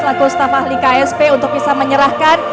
laku ustaz fahli ksp untuk bisa menyerahkan